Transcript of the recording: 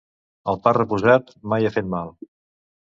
El pa reposat mai ha fet mal.